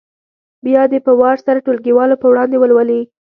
بیا دې په وار سره ټولګیوالو په وړاندې ولولي.